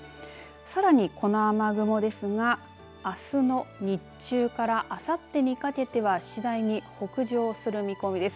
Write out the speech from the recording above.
さらに、この雨雲ですがあすの日中からあさってにかけては次第に北上する見込みです。